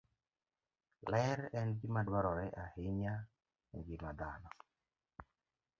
Ler en gima dwarore ahinya e ngima dhano.